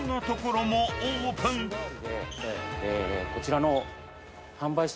こちらの。